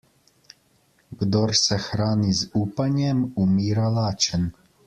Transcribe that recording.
Kdor se hrani z upanjem, umira lačen.